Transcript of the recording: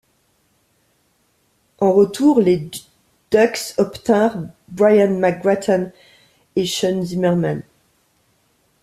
En retour les Ducks obtînrent Brian McGrattan et Sean Zimmerman.